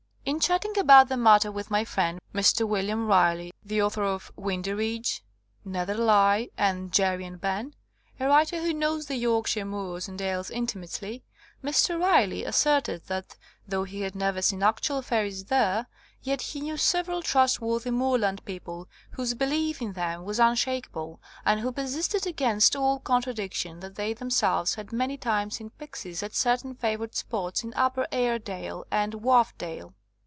"In chatting about the matter with my friend, Mr. William Riley, the author of Windyridge, NetherleigJi, and Jerry and Ben, a writer who knows the Yorkshire moors and dales intimately, Mr. Riley as serted that though he had never seen actual fairies there, yet he knew several trust worthy moorland people whose belief in them was unshakable and who persisted against all contradiction that they them selves had many times seen pixies at cer tain favoured spots in Upper Airedale and Wharfedale.